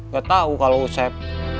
gak tau kalau usep